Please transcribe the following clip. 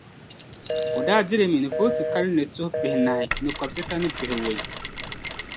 O daa di li mi ni vooti kalinli tuhi pihinahi ni kɔbisita ni pihiwɔi.